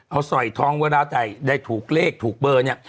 เอาสอยทองเวลาได้ถูกเลขถูกเบอร์เนี่ย